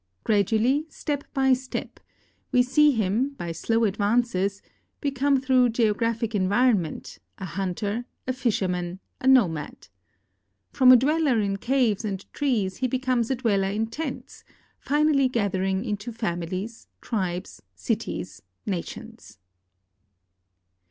Gradually, step b}' step, we see him by slow advances become through geographic environment a hunter, a fisherman, a nomad. From a dweller in caves and trees he becomes a dweller in tents — finally gathering into famil ies, tribes, citips, nations.